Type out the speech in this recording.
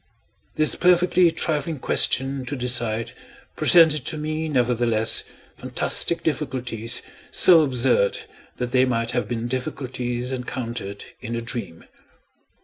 This perfectly trifling question to decide presented to me, nevertheless, fantastic difficulties so absurd that they might have been difficulties encountered in a dream.